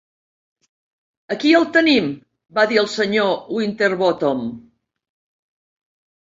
"Aquí el tenim!", va dir el senyor Winterbottom.